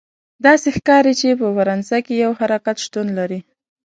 داسې ښکاري چې په فرانسه کې یو حرکت شتون لري.